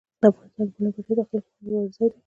افغانستان کې د بولان پټي د خلکو د خوښې وړ ځای دی.